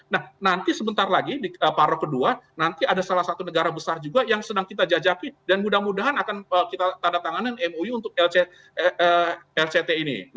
nah nanti sebentar lagi di paro kedua nanti ada salah satu negara besar juga yang sedang kita jajaki dan mudah mudahan akan kita tanda tangan mui untuk lct ini